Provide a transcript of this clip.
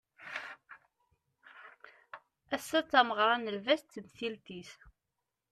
Ass-a d tameɣra n lbaz d temtilt-is.